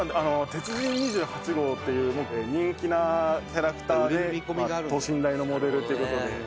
「鉄人２８号っていう人気なキャラクターで等身大のモデルっていう事でもう」